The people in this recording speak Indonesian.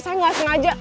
saya gak sengaja